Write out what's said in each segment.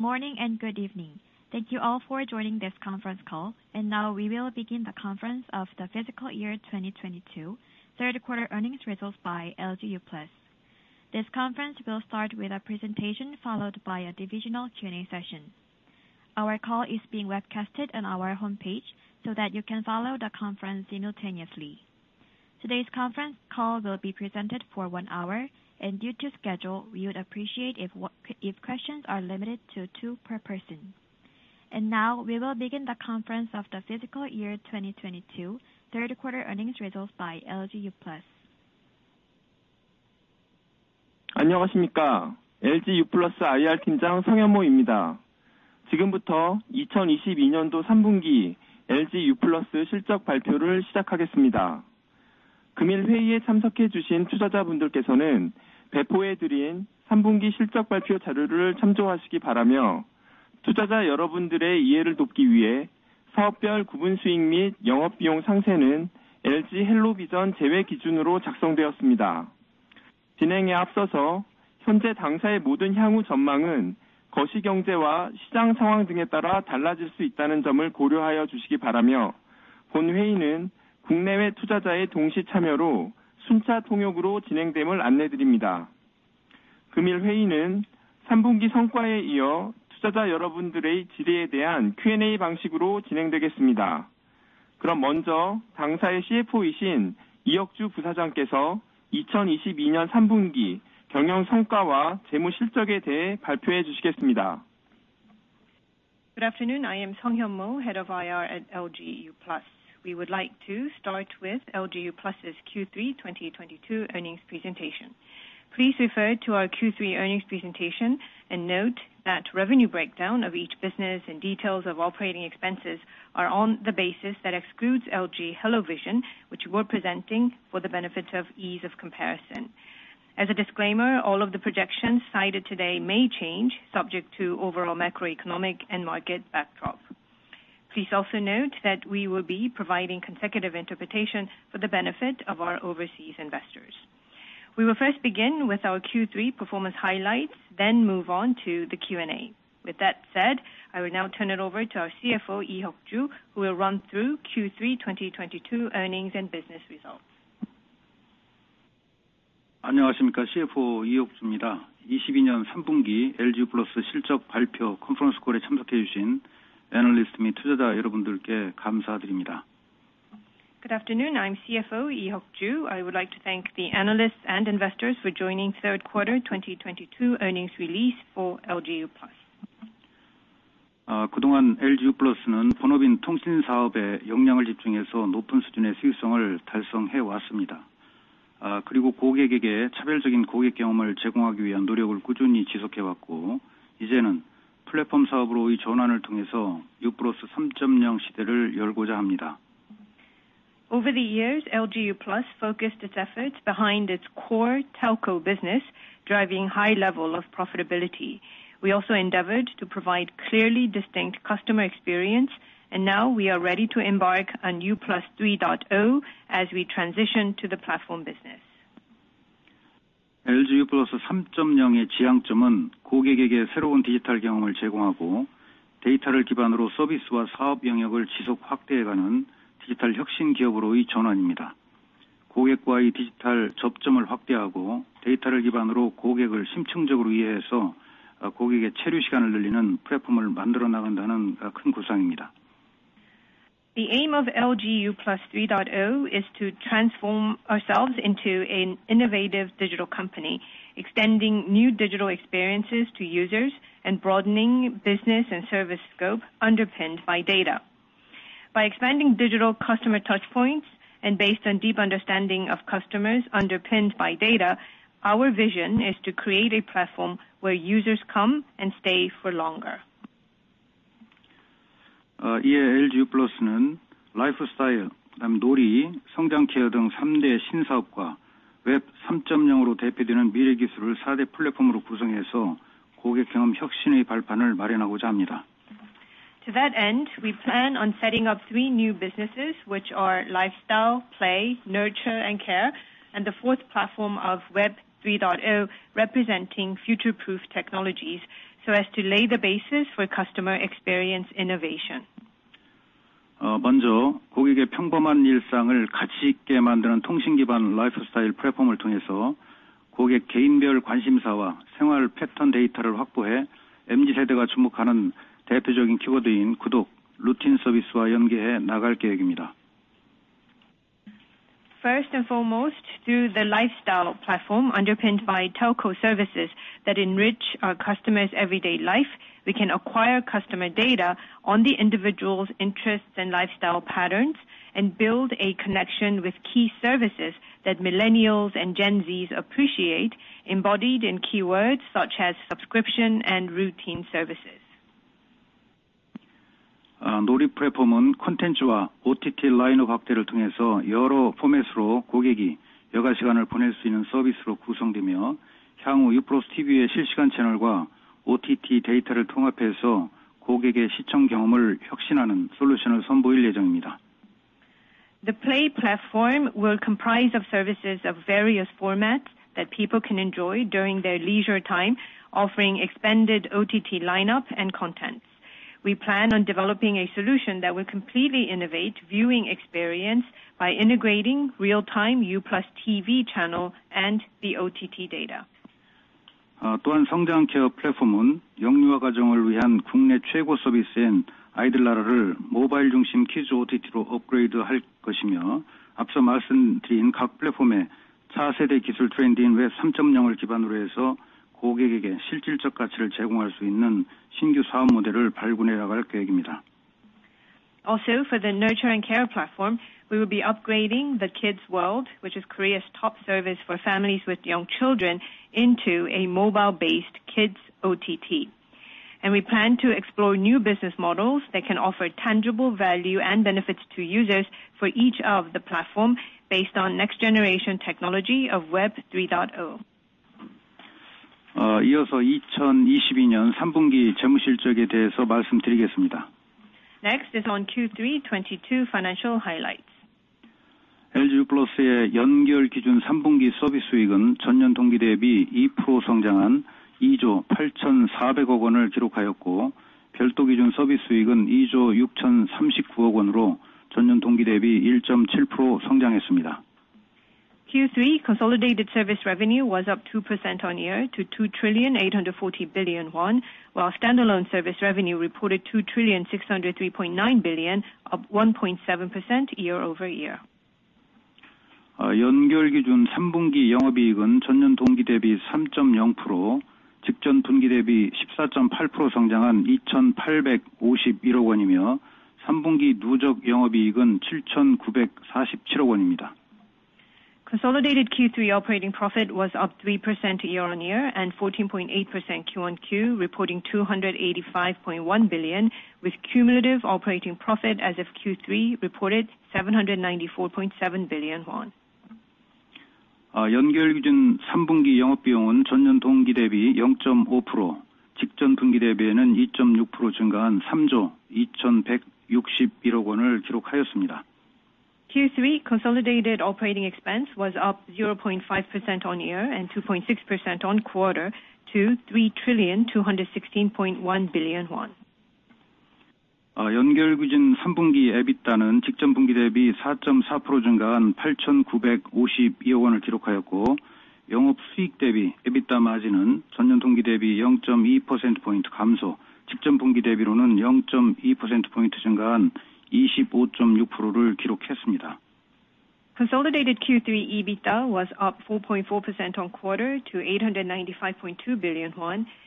Morning and good evening. Thank you all for joining this conference call. Now we will begin the conference of the fiscal year 2022 third quarter earnings results by LG Uplus. This conference will start with a presentation followed by a divisional Q&A session. Our call is being webcasted on our homepage so that you can follow the conference simultaneously. Today's conference call will be presented for one hour, and due to schedule, we would appreciate if questions are limited to two per person. Now we will begin the conference of the fiscal year 2022 third quarter earnings results by LG Uplus. Good afternoon. I am Seong Hyun Mo, head of IR at LG Uplus. We would like to start with LG Uplus's Q3 2022 earnings presentation. Please refer to our Q3 earnings presentation and note that revenue breakdown of each business and details of operating expenses are on the basis that excludes LG HelloVision, which we're presenting for the benefit of ease of comparison. As a disclaimer, all of the projections cited today may change, subject to overall macroeconomic and market backdrop. Please also note that we will be providing consecutive interpretation for the benefit of our overseas investors. We will first begin with our Q3 performance highlights, then move on to the Q&A. With that said, I will now turn it over to our CFO, Lee Hyuk-ju, who will run through Q3 2022 earnings and business results. Good afternoon. I'm CFO Lee Hyuk-ju. I would like to thank the analysts and investors for joining third quarter 2022 earnings release for LG Uplus. Over the years, LG Uplus focused its efforts behind its core telco business, driving high level of profitability. We also endeavored to provide clearly distinct customer experience, and now we are ready to embark on Uplus3.0 as we transition to the platform business. The aim of LG Uplus 3.0 is to transform ourselves into an innovative digital company, extending new digital experiences to users and broadening business and service scope underpinned by data. By expanding digital customer touch points and based on deep understanding of customers underpinned by data, our vision is to create a platform where users come and stay for longer. To that end, we plan on setting up three new businesses, which are lifestyle, play, nurture and care, and the fourth platform of Web 3.0, representing future-proof technologies so as to lay the basis for customer experience innovation. First and foremost, through the lifestyle platform underpinned by telco services that enrich our customers everyday life, we can acquire customer data on the individual's interests and lifestyle patterns and build a connection with key services that millennials and Gen Z's appreciate, embodied in keywords such as subscription and routine services. The play platform will comprise of services of various formats that people can enjoy during their leisure time, offering expanded OTT lineup and contents. We plan on developing a solution that will completely innovate viewing experience by integrating real-time Uplustv channel and the OTT data. Uh, Also, for the nurture and care platform, we will be upgrading the Uplus Kids World, which is Korea's top service for families with young children into a mobile-based Kids OTT. We plan to explore new business models that can offer tangible value and benefits to users for each of the platform based on next-generation technology of Web 3.0. Uh, Next, on Q3 2022 financial highlights. Q3 consolidated service revenue was up 2% year-on-year to KRW 2,840 billion, while standalone service revenue reported 2,603.9 billion, up 1.7% year-over-year. Uh, Consolidated Q3 operating profit was up 3% year-over-year and 14.8% QoQ, reporting 285.1 billion, with cumulative operating profit as of Q3 reported 794.7 billion won. Uh, Q3 consolidated operating expense was up 0.5% year-over-year and 2.6% quarter-over-quarter to KRW 3,216.1 billion. Uh, Consolidated Q3 EBITDA was up 4.4% quarter-over-quarter to KRW 895.2 billion,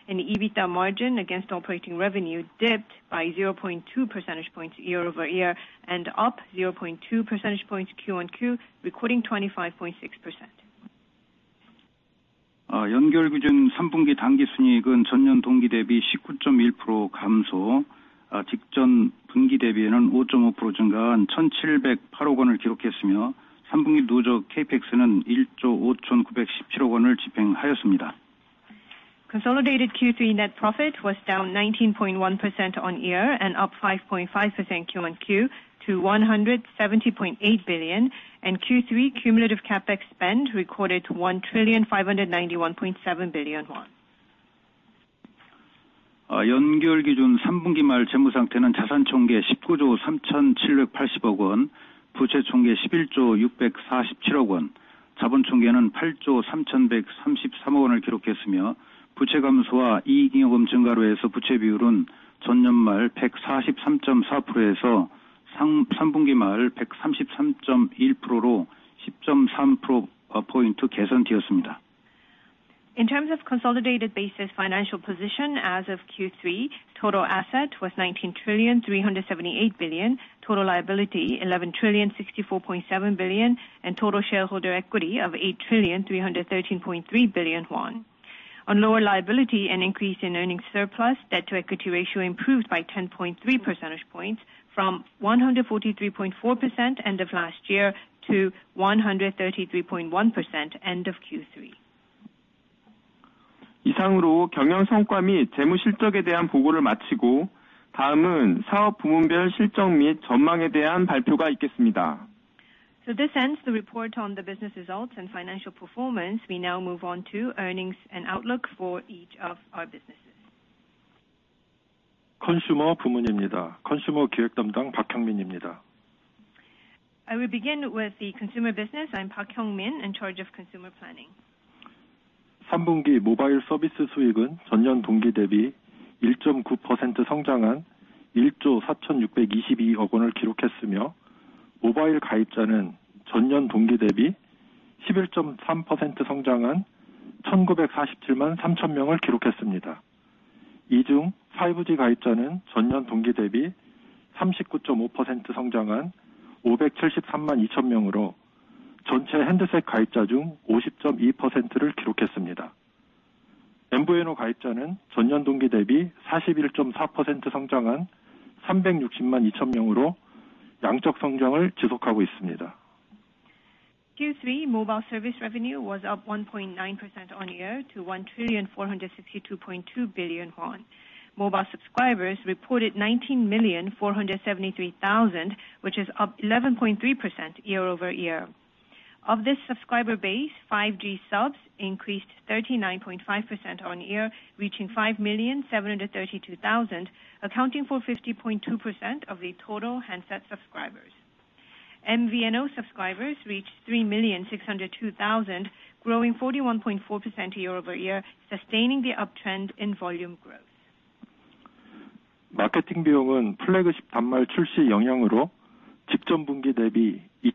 and the EBITDA margin against operating revenue dipped by 0.2 percentage points year-over-year and up 0.2 percentage points quarter-over-quarter, recording 25.6%. Uh, Consolidated Q3 net profit was down 19.1% YoY and up 5.5% QoQ to 170.8 billion, and Q3 cumulative CapEx spend recorded 1,591.7 billion won. Uh, In terms of consolidated basis financial position as of Q3, total assets were 19,378 billion, total liabilities 11,064.7 billion, and total shareholder equity of 8,313.3 billion won. On lower liability, an increase in earnings surplus, debt to equity ratio improved by 10.3 percentage points from 143.4% end of last year to 133.1% end of Q3. This ends the report on the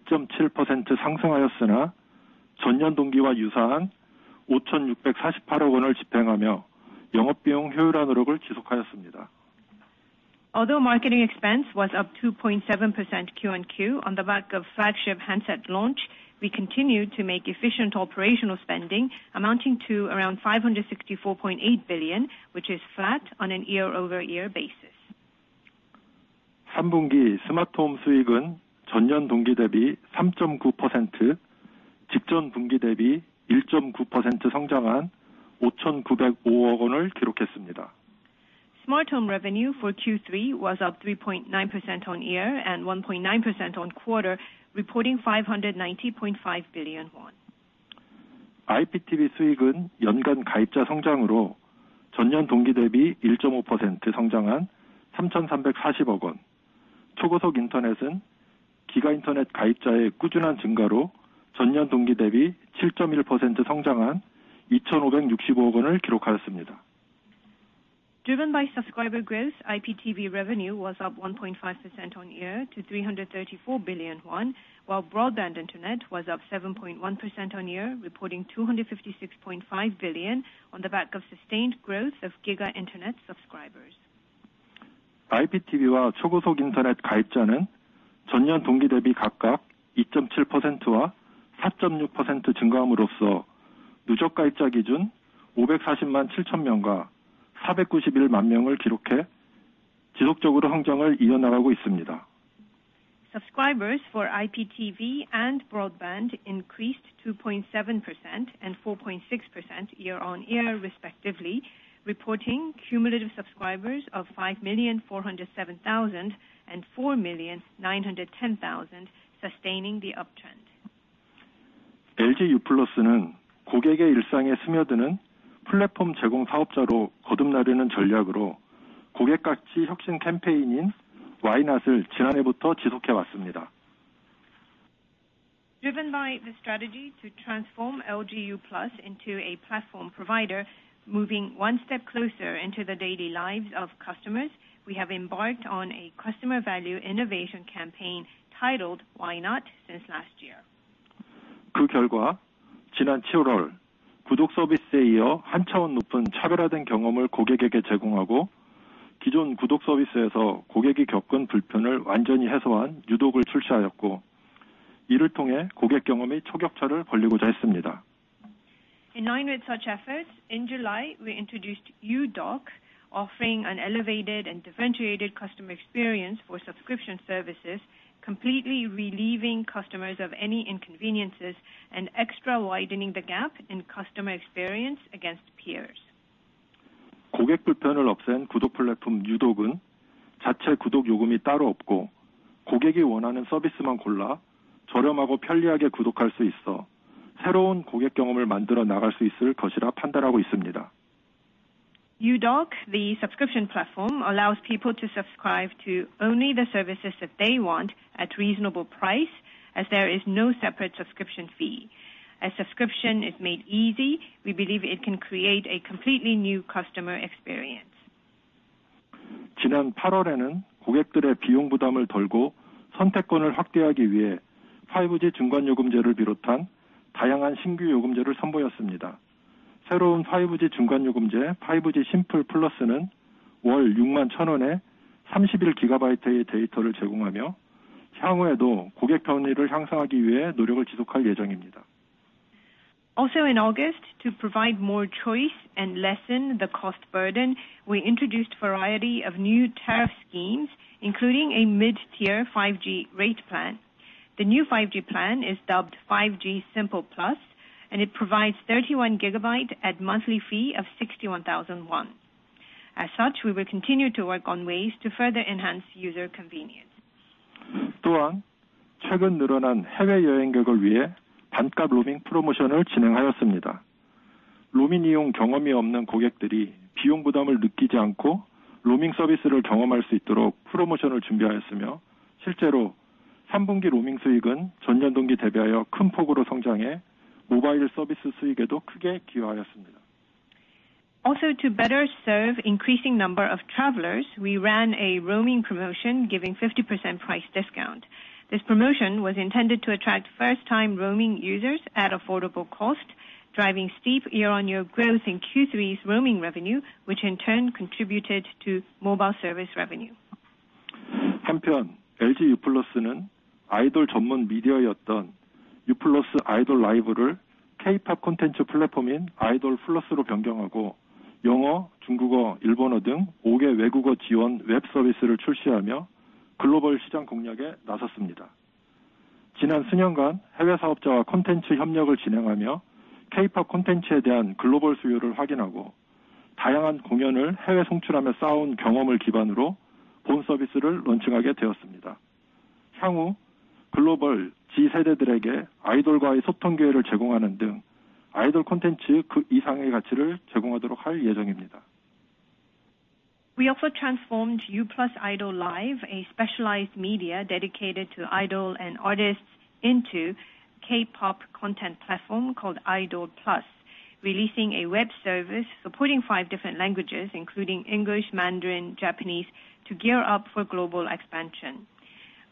business results we have embarked on a customer value innovation campaign titled Why Not since last year. In line with such efforts, in July, we introduced Udok, offering an elevated and differentiated customer experience for subscription services, completely relieving customers of any inconveniences and extra widening the gap in customer experience against peers. Udok, the subscription platform, allows people to subscribe to only the services that they want at reasonable price as there is no separate subscription fee. As subscription is made easy, we believe it can create a completely new customer experience. In August, to provide more choice and lessen the cost burden, we introduced variety of new tariff schemes, including a mid-tier 5G rate plan. The new 5G plan is dubbed 5G Simple+, and it provides 31 GB at monthly fee of 61 won thousand. As such, we will continue to work on ways to further enhance user convenience. To better serve increasing number of travelers, we ran a roaming promotion giving 50% price discount. This promotion was intended to attract first-time roaming users at affordable cost, driving steep year-on-year growth in Q3's roaming revenue, which in turn contributed to mobile service revenue. K-pop 콘텐츠 플랫폼인 idolplus로 변경하고 영어, 중국어, 일본어 등 5개 외국어 지원 웹 서비스를 출시하며 글로벌 시장 공략에 나섰습니다. 지난 수년간 해외 사업자와 콘텐츠 협력을 진행하며 K-pop 콘텐츠에 대한 글로벌 수요를 확인하고 다양한 공연을 해외 송출하며 쌓아온 경험을 기반으로 본 서비스를 론칭하게 되었습니다. 향후 글로벌 Gen Z들에게 아이돌과의 소통 기회를 제공하는 등 아이돌 콘텐츠 그 이상의 가치를 제공하도록 할 예정입니다. We also transformed Uplus idol Live, a specialized media dedicated to idol and artists into K-pop content platform called idolplus, releasing a web service supporting five different languages including English, Mandarin, Japanese to gear up for global expansion.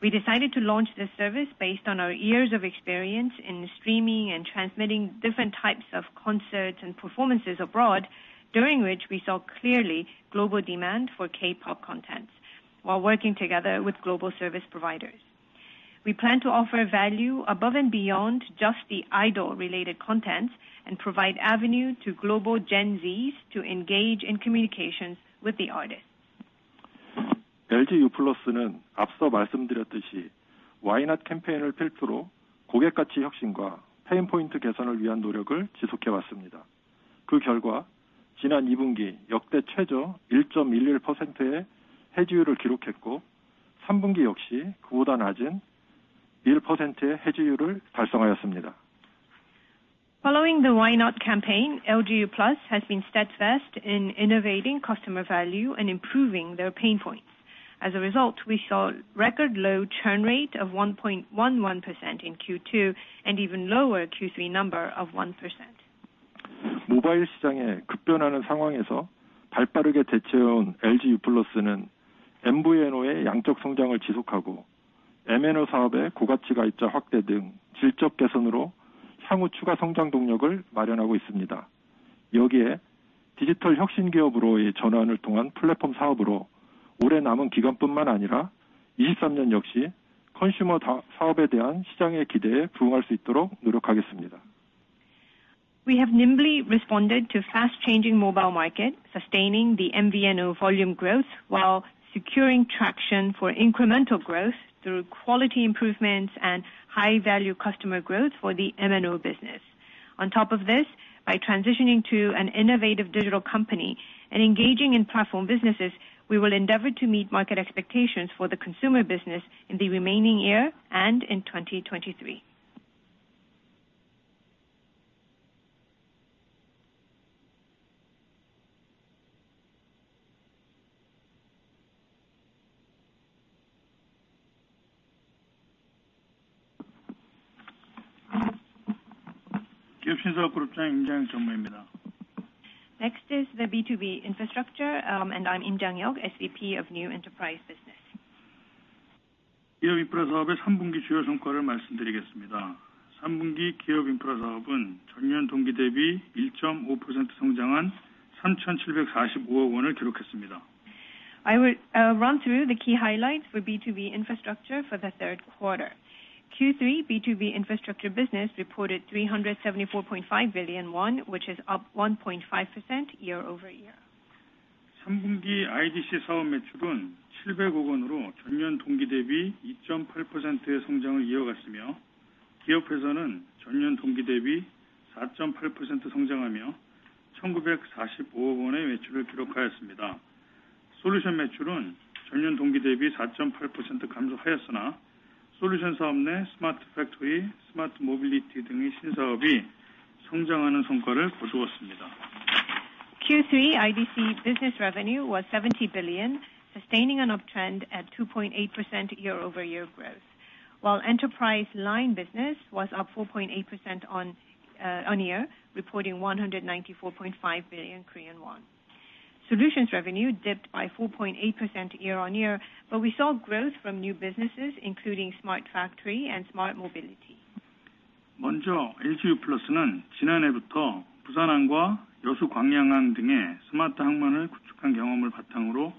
We decided to launch this service based on our years of experience in streaming and transmitting different types of concerts and performances abroad, during which we saw clearly global demand for K-pop content while working together with global service providers. We plan to offer value above and beyond just the idol related content and provide avenue to global Gen Z's to engage in communications with the artists. LG Uplus는 앞서 말씀드렸듯이 Why Not 캠페인을 필두로 고객 가치 혁신과 페인 포인트 개선을 위한 노력을 지속해 왔습니다. 그 결과 지난 2분기 역대 최저 1.11%의 해지율을 기록했고, 3분기 역시 그보다 낮은 1%의 해지율을 달성하였습니다. Following the Why Not campaign, LG Uplus has been steadfast in innovating customer value and improving their pain points. As a result, we saw record low churn rate of 1.11% in Q2, and even lower Q3 number of 1%. 모바일 시장의 급변하는 상황에서 발 빠르게 대처해 온 LG Uplus는 MVNO의 양적 성장을 지속하고 MNO 사업의 고가치 가입자 확대 등 질적 개선으로 향후 추가 성장 동력을 마련하고 있습니다. 여기에 디지털 혁신 기업으로의 전환을 통한 플랫폼 사업으로 올해 남은 기간뿐만 아니라 2023년 역시 컨슈머 사업에 대한 시장의 기대에 부응할 수 있도록 노력하겠습니다. We have nimbly responded to fast changing mobile market, sustaining the MVNO volume growth while securing traction for incremental growth through quality improvements and high value customer growth for the MNO business. On top of this, by transitioning to an innovative digital company and engaging in platform businesses, we will endeavor to meet market expectations for the consumer business in the remaining year and in 2023. 기업 신사업 그룹장 임장혁 전무입니다. Next is the B2B infrastructure, and I'm Im Jang-hyuk, SVP of New Enterprise Business. 기업 인프라 사업의 3분기 주요 성과를 말씀드리겠습니다. 3분기 기업 인프라 사업은 전년 동기 대비 1.5% 성장한 3,745억 원을 기록했습니다. I will run through the key highlights for B2B infrastructure for the third quarter. Q3 B2B infrastructure business reported 374.5 billion won, which is up 1.5% year-over-year. 3분기 IDC 사업 매출은 700억 원으로 전년 동기 대비 2.8%의 성장을 이어갔으며, 기업에서는 전년 동기 대비 4.8% 성장하며 1,945억 원의 매출을 기록하였습니다. 솔루션 매출은 전년 동기 대비 4.8% 감소하였으나 솔루션 사업 내 스마트 팩토리, 스마트 모빌리티 등의 신사업이 성장하는 성과를 거두었습니다. Q3 IDC business revenue was 70 billion, sustaining an uptrend at 2.8% year-on-year growth. While enterprise line business was up 4.8% year-on-year, reporting 194.5 billion Korean won. Solutions revenue dipped by 4.8% year-on-year, but we saw growth from new businesses, including smart factory and Smart Mobility. 먼저 LG Uplus는 지난해부터 부산항과 여수광양항 등의 스마트 항만을 구축한 경험을 바탕으로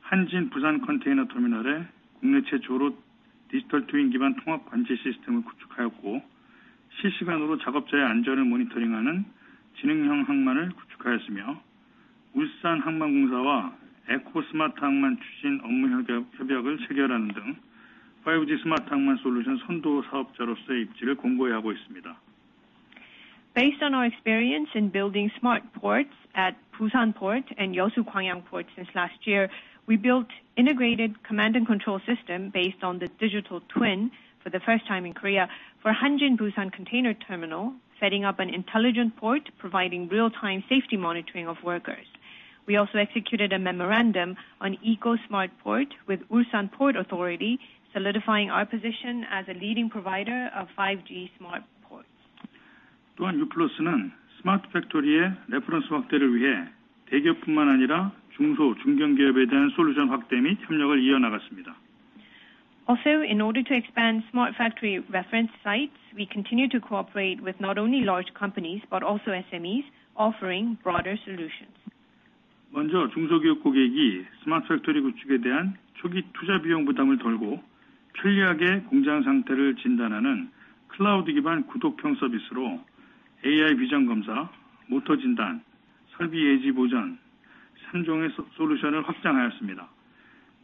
한진부산컨테이너터미널에 국내 최초로 디지털 트윈 기반 통합 관제 시스템을 구축하였고, 실시간으로 작업자의 안전을 모니터링하는 지능형 항만을 구축하였으며, 울산항만공사와 에코 스마트 항만 추진 업무 협약을 체결하는 등 5G 스마트 항만 솔루션 선도 사업자로서의 입지를 공고히 하고 있습니다. Based on our experience in building smart ports at Busan Port and Yeosu Kwangyang Port since last year, we built integrated command and control system based on the digital twin for the first time in Korea for Hanjin Busan Container Terminal, setting up an intelligent port, providing real-time safety monitoring of workers. We also executed a memorandum on Eco Smart Port with Ulsan Port Authority, solidifying our position as a leading provider of 5G smart ports. 또한 LG Uplus는 smart factory의 레퍼런스 확대를 위해 대기업뿐만 아니라 중소, 중견기업에 대한 솔루션 확대 및 협력을 이어나갔습니다. Also, in order to expand smart factory reference sites, we continue to cooperate with not only large companies but also SMEs, offering broader solutions. 먼저 중소기업 고객이 스마트 팩토리 구축에 대한 초기 투자 비용 부담을 덜고 편리하게 공장 상태를 진단하는 클라우드 기반 구독형 서비스로 AI 비전 검사, 모터 진단, 설비 예지 보전 3종의 소솔루션을 확장하였습니다.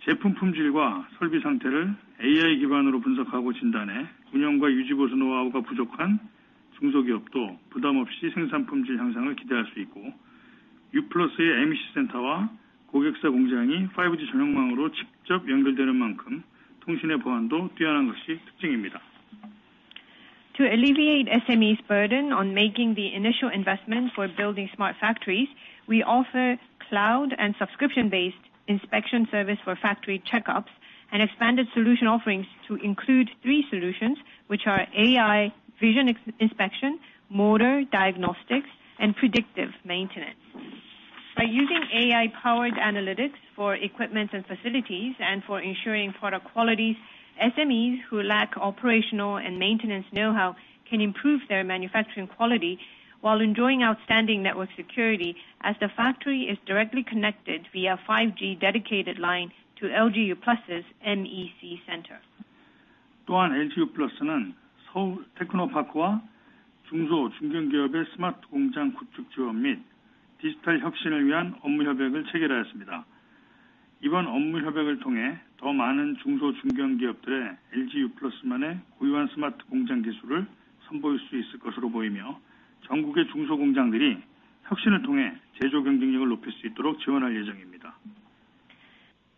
제품 품질과 설비 상태를 AI 기반으로 분석하고 진단해 운영과 유지보수 노하우가 부족한 중소기업도 부담 없이 생산 품질 향상을 기대할 수 있고, Uplus의 MEC 센터와 고객사 공장이 5G 전용망으로 직접 연결되는 만큼 통신의 보안도 뛰어난 것이 특징입니다. To alleviate SMEs burden on making the initial investment for building smart factories, we offer cloud and subscription-based inspection service for factory checkups and expanded solution offerings to include three solutions, which are AI Vision Inspection, motor diagnostics, and predictive maintenance. By using AI-powered analytics for equipment and facilities and for ensuring product quality, SMEs who lack operational and maintenance know-how can improve their manufacturing quality while enjoying outstanding network security as the factory is directly connected via 5G dedicated line to LG Uplus's MEC center. 또한 LG Uplus는 서울테크노파크와 중소, 중견기업의 스마트 공장 구축 지원 및 디지털 혁신을 위한 업무협약을 체결하였습니다. 이번 업무협약을 통해 더 많은 중소, 중견기업들의 LG Uplus만의 고유한 스마트 공장 기술을 선보일 수 있을 것으로 보이며, 전국의 중소 공장들이 혁신을 통해 제조 경쟁력을 높일 수 있도록 지원할 예정입니다.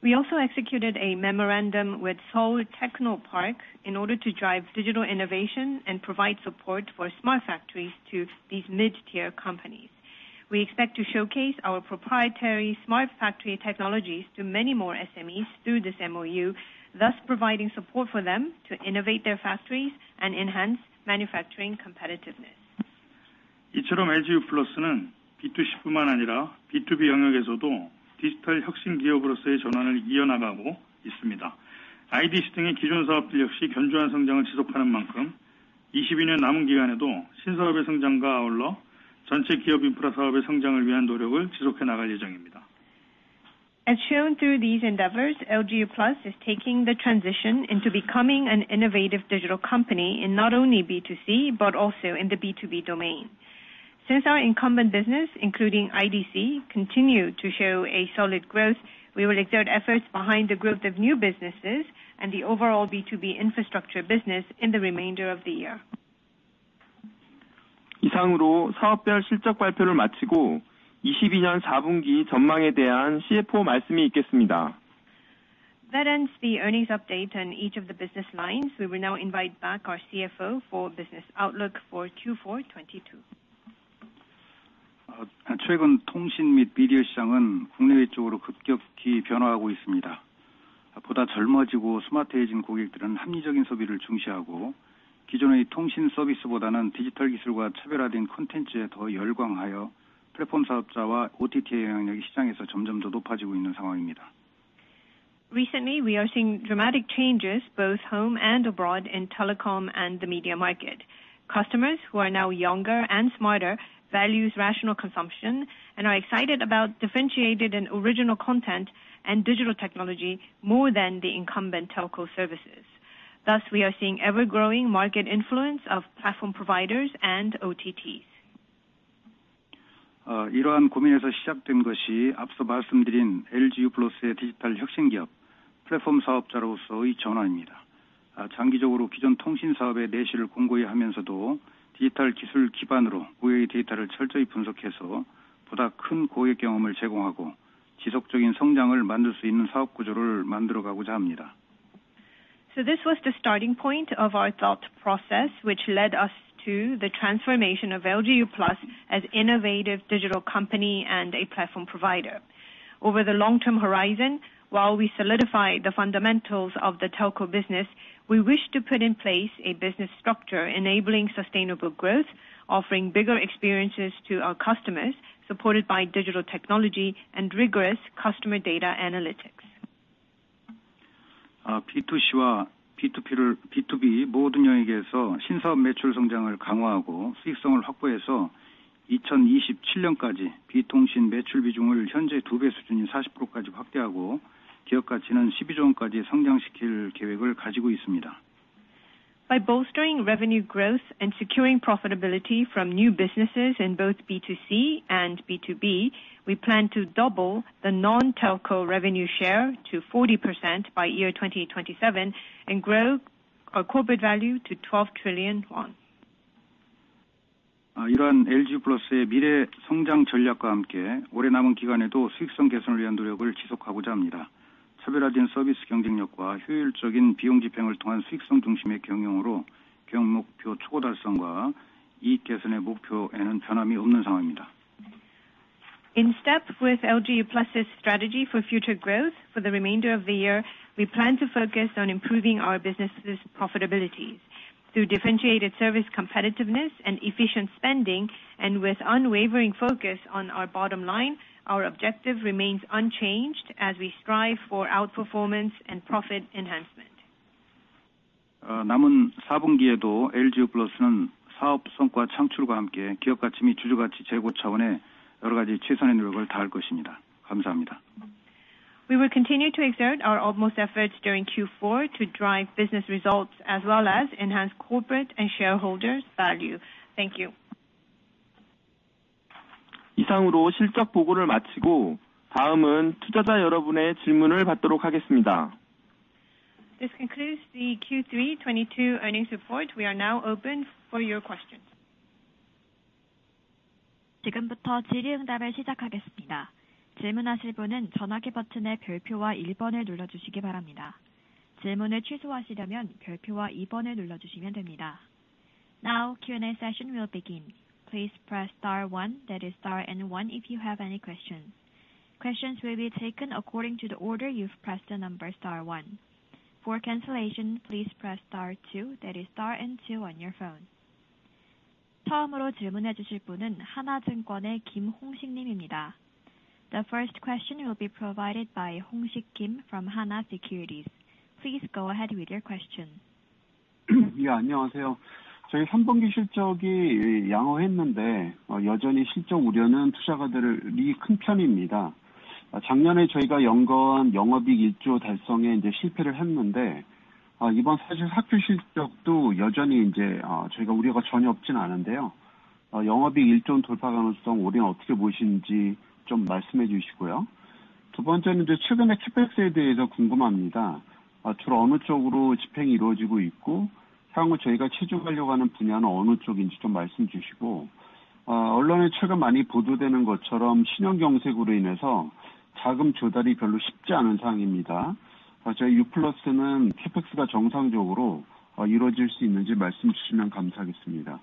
We also executed a memorandum with Seoul Technopark in order to drive digital innovation and provide support for smart factories to these mid-tier companies. We expect to showcase our proprietary smart factory technologies to many more SMEs through this MOU, thus providing support for them to innovate their factories and enhance manufacturing competitiveness. 이처럼 LG Uplus는 B2C뿐만 아니라 B2B 영역에서도 디지털 혁신 기업으로서의 전환을 이어나가고 있습니다. IDC 등의 기존 사업들 역시 견조한 성장을 지속하는 만큼, 22년 남은 기간에도 신사업의 성장과 아울러 전체 기업 인프라 사업의 성장을 위한 노력을 지속해 나갈 예정입니다. As shown through these endeavors, LG Uplus is taking the transition into becoming an innovative digital company in not only B2C, but also in the B2B domain. Since our incumbent business, including IDC, continue to show a solid growth, we will exert efforts behind the growth of new businesses and the overall B2B infrastructure business in the remainder of the year. 이상으로 사업별 실적 발표를 마치고 22년 4분기 전망에 대한 CFO 말씀이 있겠습니다. That ends the earnings update on each of the business lines. We will now invite back our CFO for business outlook for Q4 2022. 최근 통신 및 미디어 시장은 국내외적으로 급격히 변화하고 있습니다. 보다 젊어지고 스마트해진 고객들은 합리적인 소비를 중시하고, 기존의 통신 서비스보다는 디지털 기술과 차별화된 콘텐츠에 더 열광하여 플랫폼 사업자와 OTT의 영향력이 시장에서 점점 더 높아지고 있는 상황입니다. Recently, we are seeing dramatic changes both home and abroad in telecom and the media market. Customers who are now younger and smarter values rational consumption and are excited about differentiated and original content and digital technology more than the incumbent telco services. Thus, we are seeing ever-growing market influence of platform providers and OTTs. 이러한 고민에서 시작된 것이 앞서 말씀드린 LG Uplus의 디지털 혁신 기업, 플랫폼 사업자로서의 전환입니다. 장기적으로 기존 통신 사업의 내실을 공고히 하면서도 디지털 기술 기반으로 고객의 데이터를 철저히 분석해서 보다 큰 고객 경험을 제공하고, 지속적인 성장을 만들 수 있는 사업 구조를 만들어 가고자 합니다. This was the starting point of our thought process, which led us to the transformation of LG Uplus as innovative digital company and a platform provider. Over the long term horizon, while we solidify the fundamentals of the telco business, we wish to put in place a business structure enabling sustainable growth, offering bigger experiences to our customers, supported by digital technology and rigorous customer data analytics. B2C와 B2B 모든 영역에서 신사업 매출 성장을 강화하고 수익성을 확보해서 2027년까지 비통신 매출 비중을 현재 두배 수준인 40%까지 확대하고, 기업 가치는 12조 원까지 성장시킬 계획을 가지고 있습니다. By bolstering revenue growth and securing profitability from new businesses in both B2C and B2B, we plan to double the non-telco revenue share to 40% by 2027 and grow our corporate value to 12 trillion won. 이러한 LG Uplus의 미래 성장 전략과 함께 올해 남은 기간에도 수익성 개선을 위한 노력을 지속하고자 합니다. 차별화된 서비스 경쟁력과 효율적인 비용 집행을 통한 수익성 중심의 경영으로 경영 목표 초과 달성과 이익 개선의 목표에는 변함이 없는 상황입니다. In step with LG Uplus's strategy for future growth, for the remainder of the year, we plan to focus on improving our businesses' profitability through differentiated service competitiveness and efficient spending. With unwavering focus on our bottom line, our objective remains unchanged as we strive for outperformance and profit enhancement. Uh, We will continue to exert our utmost efforts during Q4 to drive business results as well as enhance corporate and shareholders value. Thank you. This concludes the Q3 2022 earnings report. We are now open for your questions. Now Q&A session will begin. Please press star one, that is star and one, if you have any questions. Questions will be taken according to the order you've pressed the number star one. For cancellation, please press star two, that is star and two on your phone. The first question will be provided by Hong-sik Kim from Hana Securities. Please go ahead with your question. Yeah.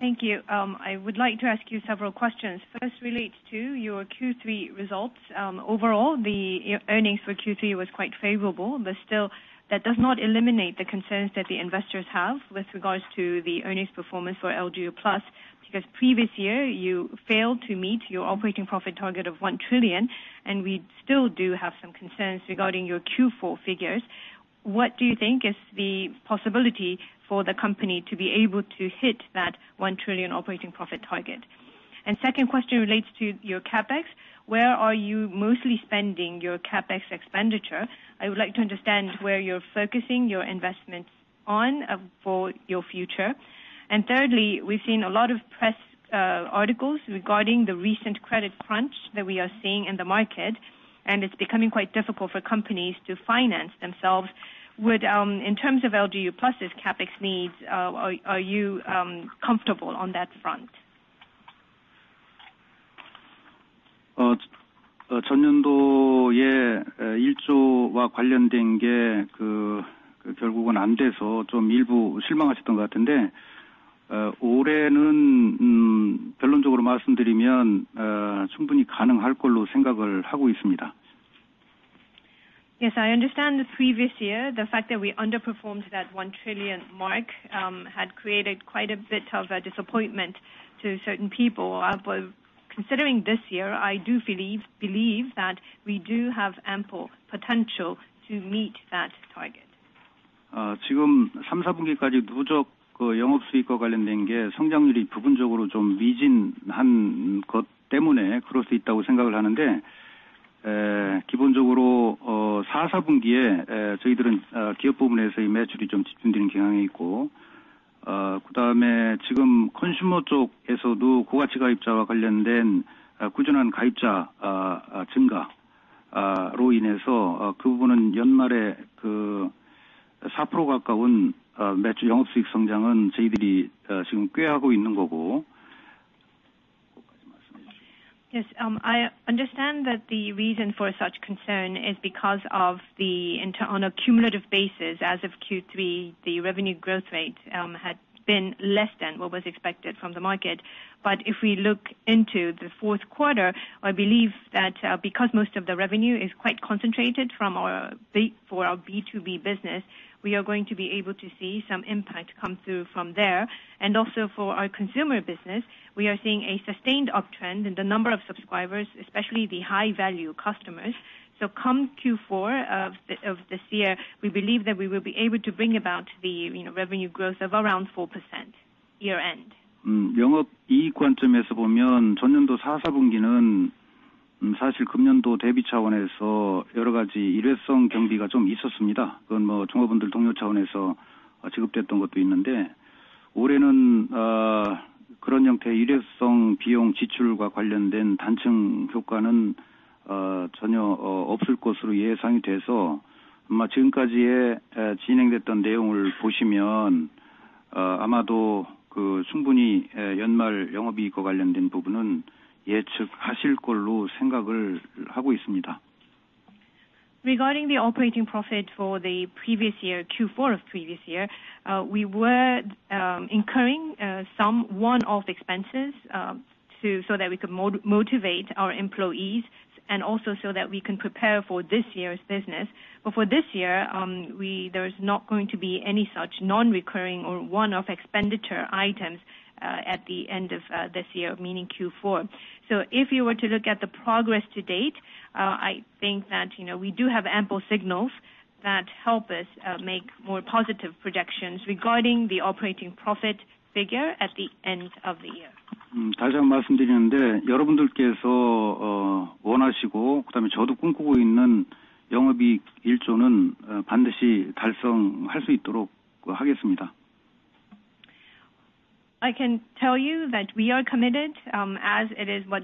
Thank you. I would like to ask you several questions. First relates to your Q3 results. Overall, the earnings for Q3 was quite favorable, but still that does not eliminate the concerns that the investors have with regards to the earnings performance for LG Uplus. Because previous year, you failed to meet your operating profit target of 1 trillion, and we still do have some concerns regarding your Q4 figures. What do you think is the possibility for the company to be able to hit that 1 trillion operating profit target? Second question relates to your CapEx. Where are you mostly spending your CapEx expenditure? I would like to understand where you're focusing your investments on for your future. Thirdly, we've seen a lot of press articles regarding the recent credit crunch that we are seeing in the market, and it's becoming quite difficult for companies to finance themselves. In terms of LG Uplus CapEx needs, are you comfortable on that front? Yes, I understand the previous year, the fact that we underperformed that 1 trillion mark had created quite a bit of a disappointment to certain people. Considering this year, I do believe that we do have ample potential to meet that target. Yes. I understand that the reason for such concern is because on a cumulative basis, as of Q3, the revenue growth rate had been less than what was expected from the market. If we look into the fourth quarter, I believe that, because most of the revenue is quite concentrated from our B2B business, we are going to be able to see some impact come through from there. Also for our consumer business, we are seeing a sustained uptrend in the number of subscribers, especially the high-value customers. Come Q4 of this year, we believe that we will be able to bring about the, you know, revenue growth of around 4% year-on-year. Regarding the operating profit for the previous year, Q4 of previous year, we were incurring some one-off expenses, so that we could motivate our employees and also so that we can prepare for this year's business. For this year, there is not going to be any such non-recurring or one-off expenditure items, at the end of this year, meaning Q4. If you were to look at the progress to date, I think that, you know, we do have ample signals that help us, make more positive projections regarding the operating profit figure at the end of the year. I can tell you that we are committed, as it is what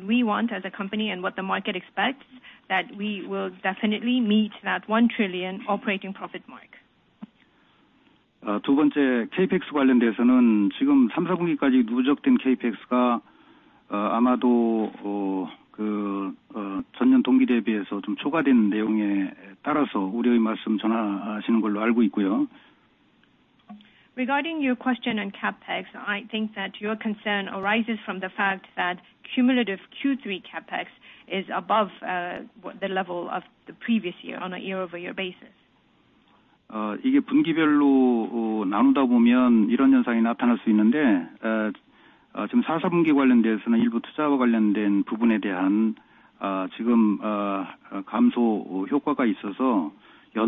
we want as a company and what the market expects, that we will definitely meet that 1 trillion operating profit mark. Regarding your question on CapEx, I think that your concern arises from the fact that cumulative Q3 CapEx is above, the level of the previous year on a year-over-year basis. That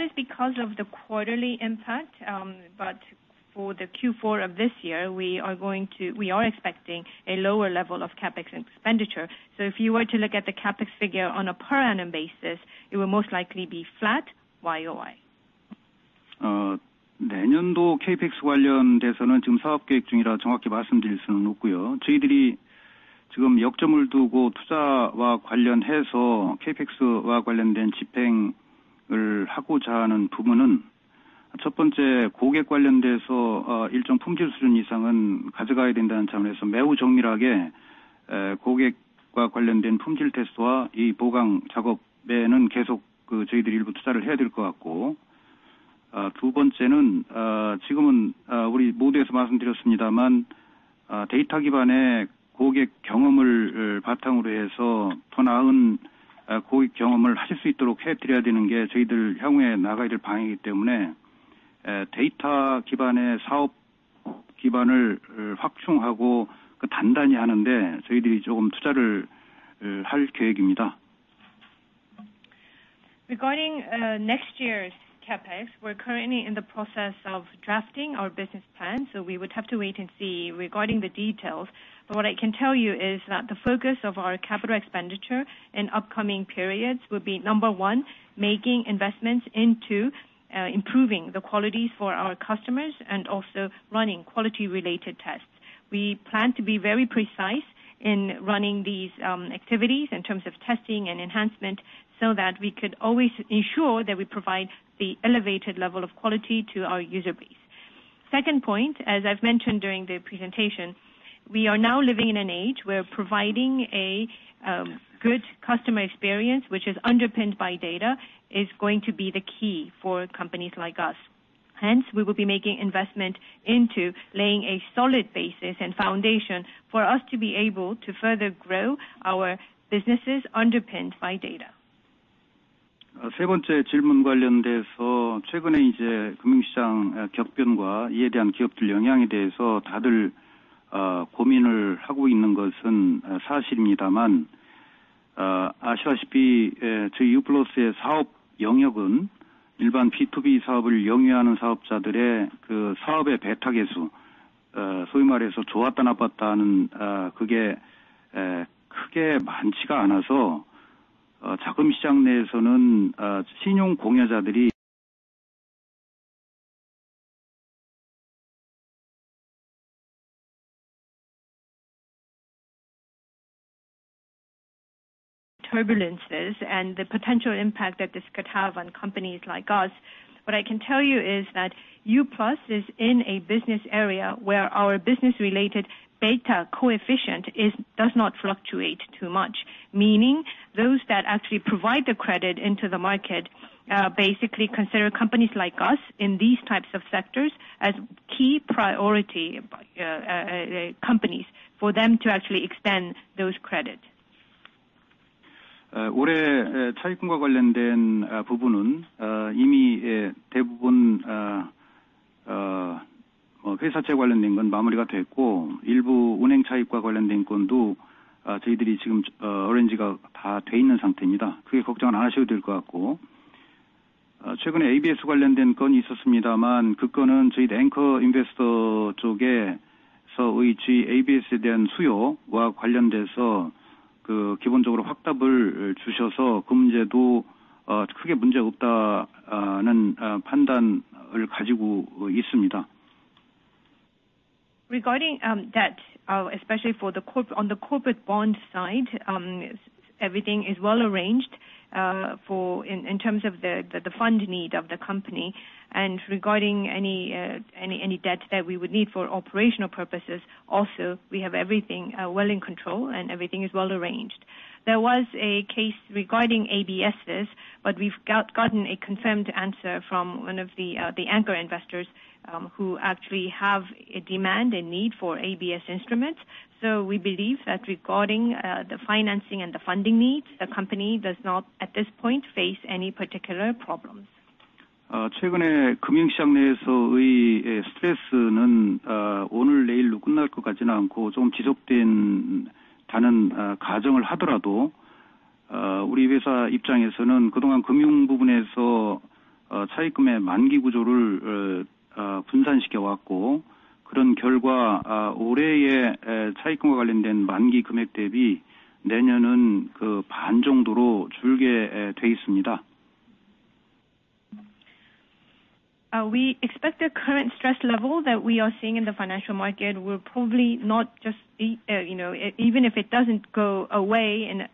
is because of the quarterly impact. For the Q4 of this year, we are expecting a lower level of CapEx expenditure. If you were to look at the CapEx figure on a per annum basis, it will most likely be flat Y-O-Y. Regarding next year's CapEx, we're currently in the process of drafting our business plan, so we would have to wait and see regarding the details. What I can tell you is that the focus of our capital expenditure in upcoming periods will be, number one, making investments into improving the qualities for our customers and also running quality related tests. We plan to be very precise in running these activities in terms of testing and enhancement, so that we could always ensure that we provide the elevated level of quality to our user base. Second point, as I've mentioned during the presentation, we are now living in an age where providing a good customer experience, which is underpinned by data, is going to be the key for companies like us. Hence, we will be making investment into laying a solid basis and foundation for us to be able to further grow our businesses underpinned by data. Turbulences and the potential impact that this could have on companies like us. What I can tell you is that LG Uplus is in a business area where our business related beta coefficient is does not fluctuate too much, meaning those that actually provide the credit into the market basically consider companies like us in these types of sectors as key priority companies for them to actually extend those credit. Regarding debt, especially on the corporate bond side, everything is well arranged for, in terms of the funding need of the company. Regarding any debt that we would need for operational purposes, we have everything well in control and everything is well arranged. There was a case regarding ABSs, but we've gotten a confirmed answer from one of the anchor investors who actually have a demand, a need for ABS instruments. We believe that regarding the financing and the funding needs, the company does not, at this point, face any particular problems. 최근에 금융시장 내에서의 스트레스는 오늘 내일로 끝날 것 같지는 않고 조금 지속된다는 가정을 하더라도, 우리 회사 입장에서는 그동안 금융 부분에서 차입금의 만기 구조를 분산시켜 왔고, 그런 결과 올해의 차입금과 관련된 만기 금액 대비 내년은 그반 정도로 줄게 돼 있습니다. We expect the current stress level that we are seeing in the financial market will probably not just be, you know, even if it doesn't go away in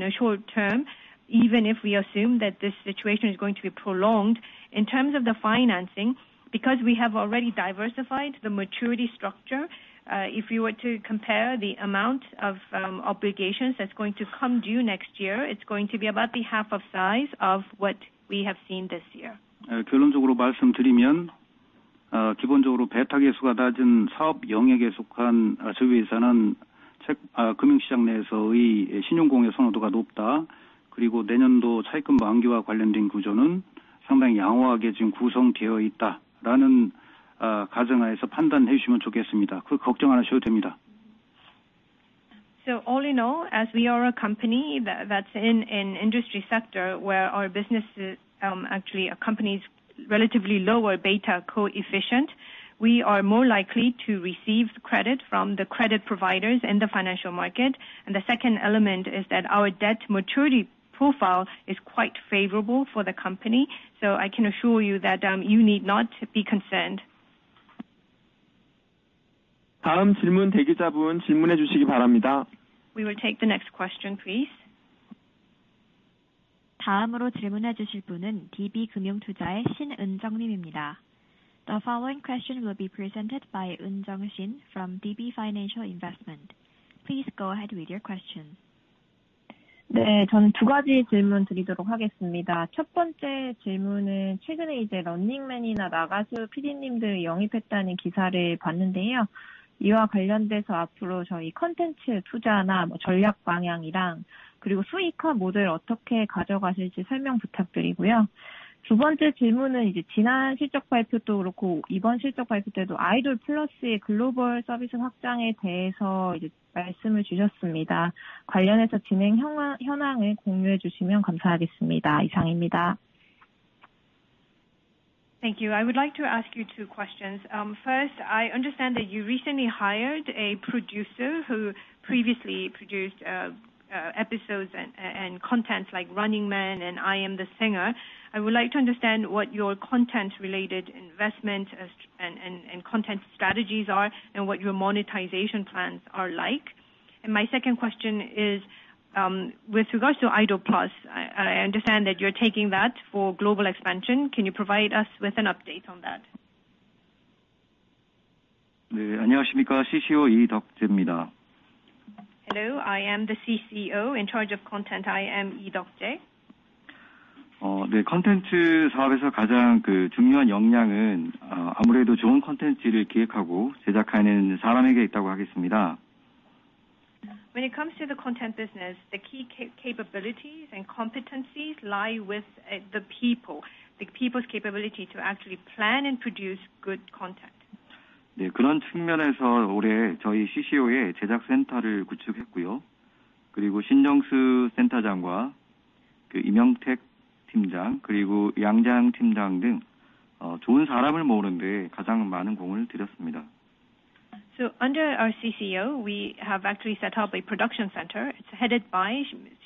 a short term, even if we assume that this situation is going to be prolonged. In terms of the financing, because we have already diversified the maturity structure, if you were to compare the amount of obligations that's going to come due next year, it's going to be about half the size of what we have seen this year. 결론적으로 말씀드리면, 기본적으로 베타 계수가 낮은 사업 영역에 속한 저희 회사는 금융시장 내에서의 신용 공여 선호도가 높다. 그리고 내년도 차입금 만기와 관련된 구조는 상당히 양호하게 지금 구성되어 있다라는 가정하에서 판단해 주시면 좋겠습니다. 그 걱정 안 하셔도 됩니다. All in all, as we are a company that is in an industry sector where our business actually has a relatively lower beta coefficient, we are more likely to receive credit from the credit providers in the financial market. The second element is that our debt maturity profile is quite favorable for the company. I can assure you that you need not be concerned. 다음 질문 대기자분 질문해 주시기 바랍니다. We will take the next question, please. 다음으로 질문해 주실 분은 DB금융투자의 신은정 님입니다. The following question will be presented by Shin Eun-jung from DB Financial Investment. Please go ahead with your question. 저는 두 가지 질문드리도록 하겠습니다. 첫 번째 질문은 최근에 Running Man이나 나는 가수다 PD님들 영입했다는 기사를 봤는데요. 이와 관련돼서 앞으로 저희 콘텐츠 투자나 전략 방향이랑 그리고 수익화 모델 어떻게 가져가실지 설명 부탁드리고요. 두 번째 질문은 지난 실적 발표도 그렇고 이번 실적 발표 때도 아이돌플러스의 글로벌 서비스 확장에 대해서 말씀을 주셨습니다. 관련해서 진행 현황을 공유해 주시면 감사하겠습니다. 이상입니다. Thank you. I would like to ask you two questions. First, I understand that you recently hired a producer who previously produced episodes and content like Running Man and I Am a Singer. I would like to understand what your content-related investments and content strategies are, and what your monetization plans are like. My second question is, with regards to idolplus, I understand that you're taking that for global expansion. Can you provide us with an update on that? 네, 안녕하십니까. CCO 이덕재입니다. Hello. I am the CCO in charge of content. I am Lee Deok-jae. 콘텐츠 사업에서 가장 중요한 역량은 좋은 콘텐츠를 기획하고 제작하는 사람에게 있다고 하겠습니다. When it comes to the content business, the key capabilities and competencies lie with the people. The people's capability to actually plan and produce good content. 네, 그런 측면에서 올해 저희 CCO에 제작 센터를 구축했고요. 신정수 센터장과 이명택 팀장, 그리고 양자연 팀장 등 좋은 사람을 모으는 데 가장 많은 공을 들였습니다. Under our CCO, we have actually set up a production center. It's headed by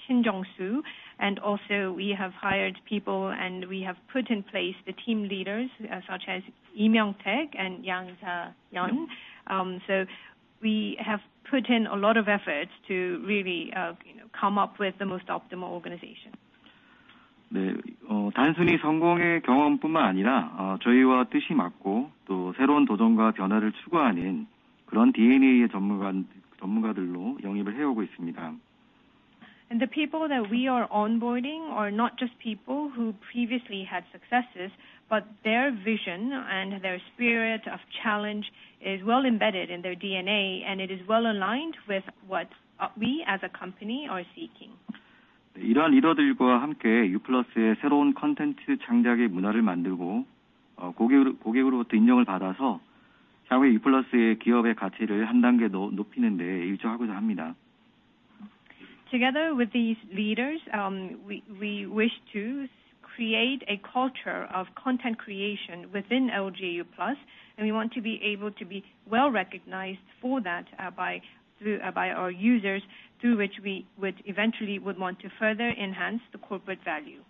Shin Jeong-soo, and also we have hired people, and we have put in place the team leaders, such as Lee Myeong-taek and Yang Jaeyun. We have put in a lot of efforts to really, you know, come up with the most optimal organization. 단순히 성공의 경험뿐만 아니라, 저희와 뜻이 맞고 또 새로운 도전과 변화를 추구하는 그런 DNA의 전문가들로 영입을 해오고 있습니다. The people that we are onboarding are not just people who previously had successes, but their vision and their spirit of challenge is well embedded in their DNA, and it is well aligned with what we as a company are seeking. 네, 이러한 리더들과 함께 Uplus의 새로운 콘텐츠 창작의 문화를 만들고, 고객으로부터 인정을 받아서 향후 Uplus의 기업의 가치를 한 단계 더 높이는 데 집중하고자 합니다. Together with these leaders, we wish to create a culture of content creation within LG Uplus, and we want to be able to be well-recognized for that, by our users, through which we would eventually want to further enhance the corporate value.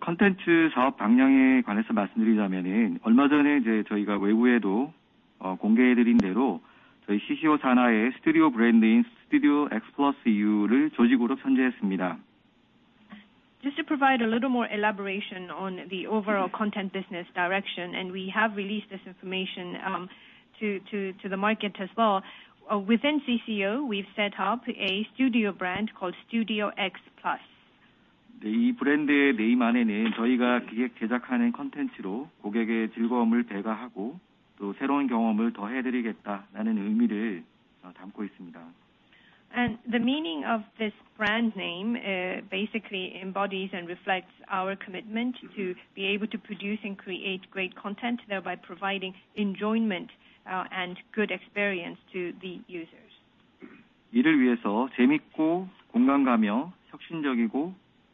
콘텐츠 사업 방향에 관해서 말씀드리자면, 얼마 전에 저희가 외부에도 공개해 드린 대로 저희 CCO 산하에 스튜디오 브랜드인 Studio X+U를 조직으로 편재했습니다. Just to provide a little more elaboration on the overall content business direction, and we have released this information to the market as well. Within CCO, we've set up a studio brand called Studio X+U. 네, 이 브랜드의 네임 안에는 저희가 기획 제작하는 콘텐츠로 고객의 즐거움을 배가하고 또 새로운 경험을 더해드리겠다라는 의미를 담고 있습니다. The meaning of this brand name basically embodies and reflects our commitment to be able to produce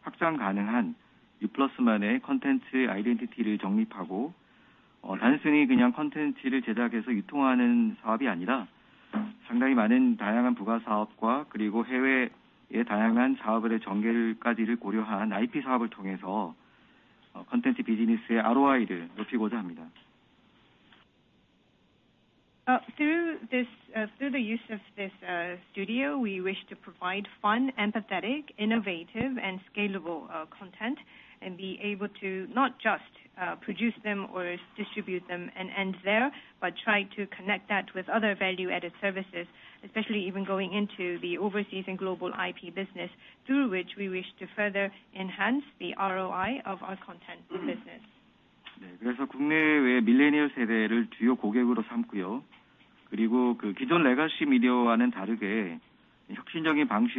and create great content, thereby providing enjoyment and good experience to the users. Through this, through the use of this studio, we wish to provide fun, empathetic, innovative and scalable content and be able to not just produce them or distribute them and end there, but try to connect that with other value-added services, especially even going into the overseas and global IP business,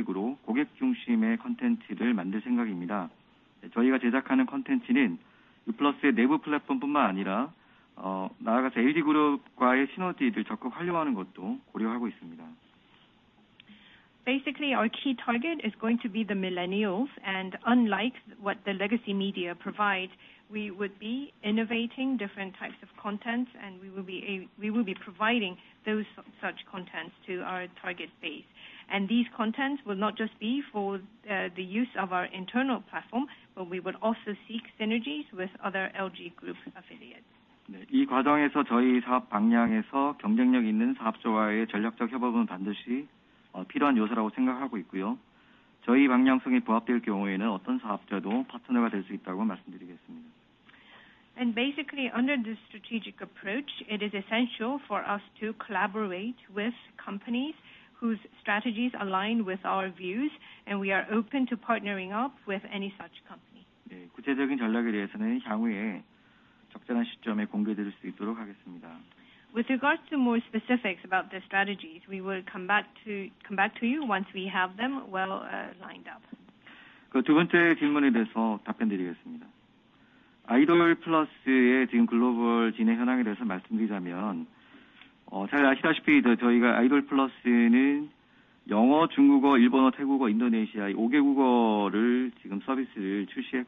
through which we wish to further enhance the ROI of our content business. Basically, our key target is going to be the millennials. Unlike what the legacy media provide, we would be innovating different types of content, and we will be providing those such contents to our target base. These contents will not just be for the use of our internal platform, but we would also seek synergies with other LG Group affiliates. Basically, under this strategic approach, it is essential for us to collaborate with companies whose strategies align with our views, and we are open to partnering up with any such company. With regards to more specifics about the strategies, we will come back to you once we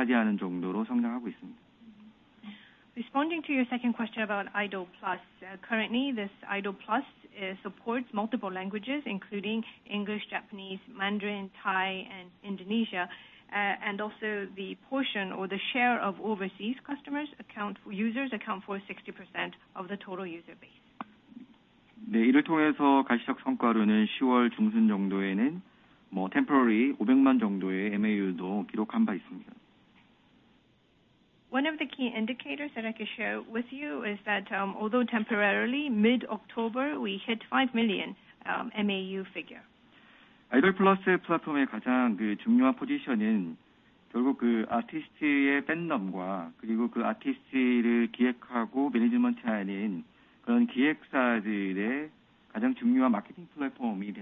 have them well lined up. Responding to your second question about idolplus. Currently this idolplus supports multiple languages including English, Japanese, Mandarin, Thai and Indonesian. Also the portion or the share of overseas users account for 60% of the total user base. One of the key indicators that I could share with you is that, although temporarily mid-October, we hit 5 million MAU figure. The most important element about idol platform is providing a platform for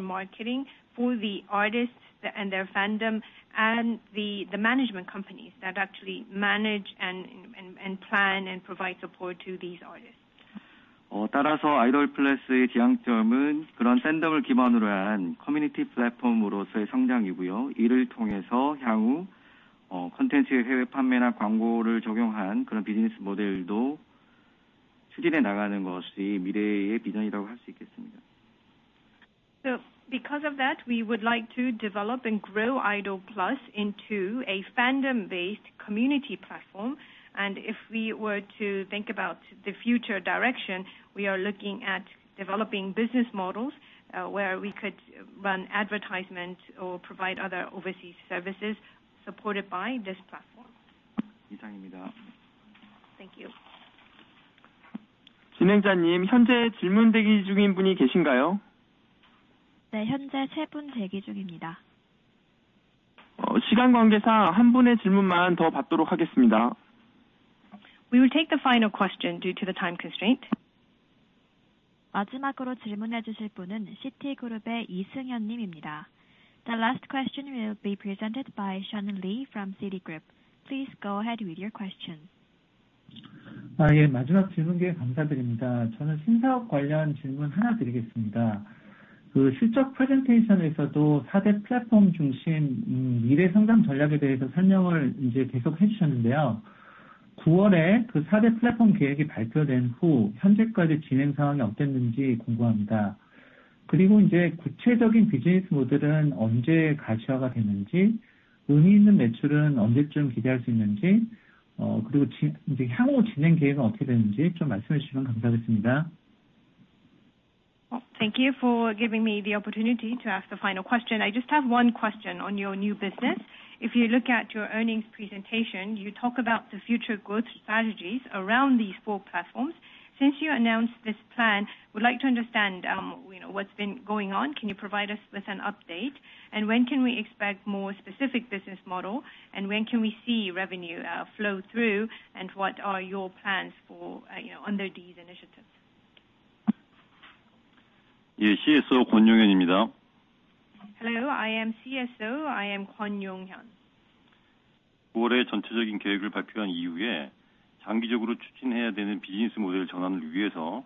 marketing for the artists and their fandom and the management companies that actually manage and plan and provide support to these artists. Because of that, we would like to develop and grow idolplus into a fandom-based community platform. If we were to think about the future direction, we are looking at developing business models, where we could run advertisement or provide other overseas services supported by this platform. Thank you. We will take the final question due to the time constraint. The last question will be presented by Sean Lee from Citigroup. Please go ahead with your question. Well, thank you for giving me the opportunity to ask the final question. I just have one question on your new business. If you look at your earnings presentation, you talk about the future growth strategies around these four platforms. Since you announced this plan, we'd like to understand, you know, what's been going on. Can you provide us with an update? When can we expect more specific business model, and when can we see revenue, flow through, and what are your plans for, you know, under these initiatives? Yes. CSO Kwon Yong-hyun. Hello, I am CSO. I am Kwon Yong-Hyun. To update you,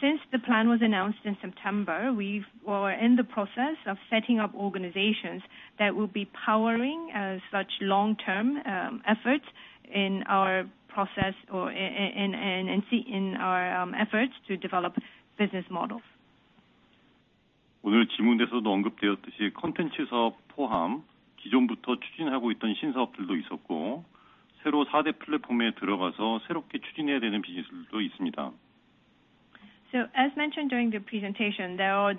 since the plan was announced in September, we're in the process of setting up organizations that will be powering such long-term efforts in our process and in our efforts to develop business models. As mentioned during the presentation, there are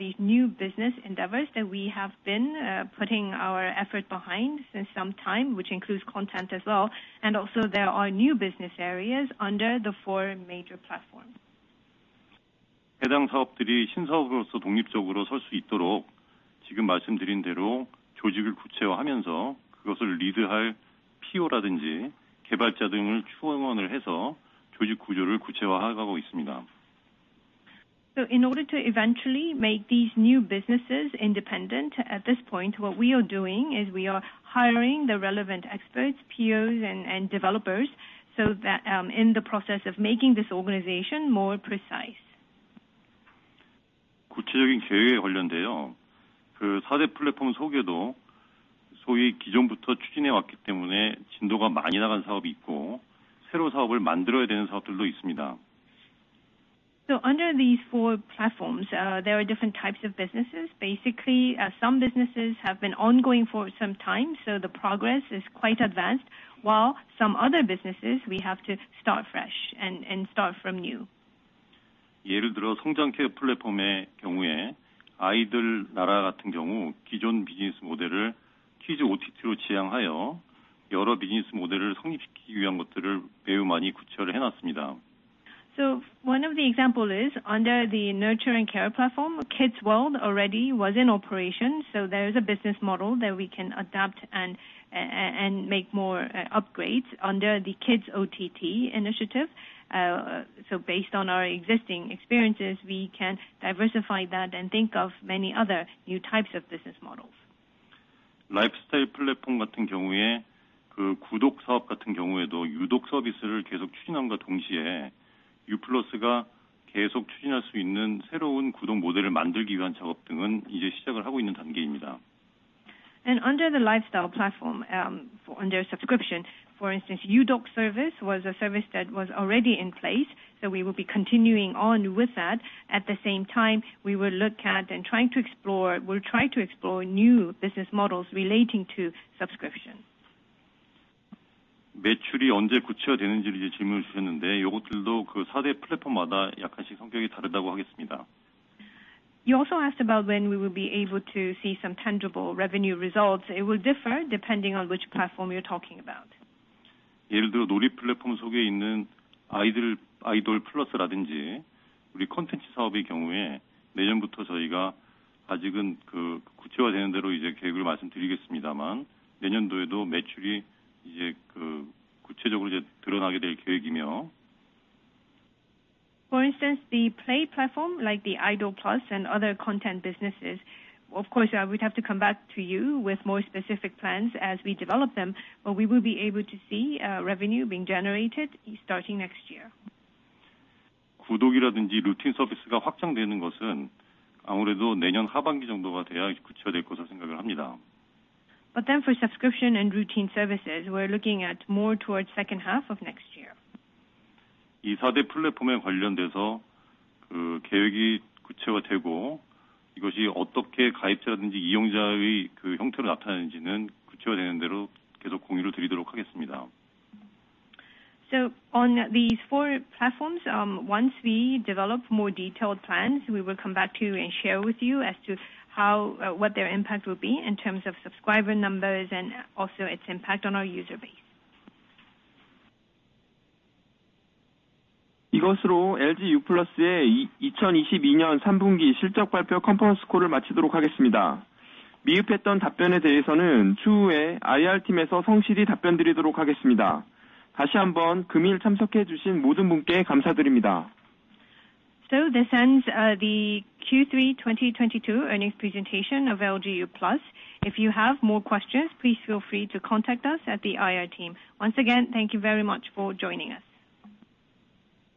these new business endeavors that we have been putting our effort behind for some time, which includes content as well. Also there are new business areas under the four major platforms. In order to eventually make these new businesses independent, at this point, what we are doing is we are hiring the relevant experts, POs, and developers so that in the process of making this organization more precise. Under these four platforms, there are different types of businesses. Basically, some businesses have been ongoing for some time, so the progress is quite advanced. While some other businesses, we have to start fresh and start from new. One of the example is under the nurture and care platform, Uplus Kids World already was in operation. There is a business model that we can adapt and make more upgrades under the Kids OTT initiative. Based on our existing experiences, we can diversify that and think of many other new types of business models. Under the lifestyle platform, for under subscription, for instance, Udok service was a service that was already in place, so we will be continuing on with that. At the same time, we'll try to explore new business models relating to subscription. You also asked about when we will be able to see some tangible revenue results. It will differ depending on which platform you're talking about. For instance, the play platform like the idolplus and other content businesses, of course, I would have to come back to you with more specific plans as we develop them, but we will be able to see revenue being generated starting next year. For subscription and routine services, we're looking at more towards second half of next year. On these four platforms, once we develop more detailed plans, we will come back to you and share with you as to how, what their impact will be in terms of subscriber numbers and also its impact on our user base. This ends the Q3 2022 earnings presentation of LG Uplus. If you have more questions, please feel free to contact us at the IR team. Once again, thank you very much for joining us.